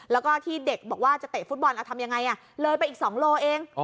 แล้วก็ที่เด็กบอกว่าจะเตะฟุตบอลเอาทำยังไงเลยไปอีก๒โลเอง